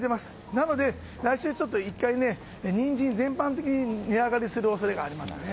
なので、来週は１回ニンジンが全般的に値上がりする恐れがありますね。